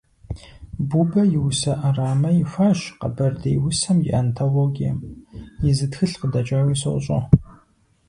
Бубэ и усэ Ӏэрамэ ихуащ «Къэбэрдей усэм и антологием», и зы тхылъ къыдэкӀауи сощӀэ.